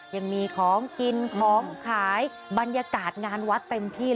ยังมีของกินของขายบรรยากาศงานวัดเต็มที่